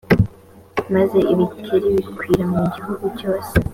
maze ibikeri bikwira mu gihugu cyose.